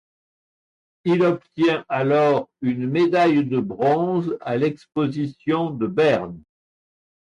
Il obtient alors une médaille de bronze à l'exposition de Berne.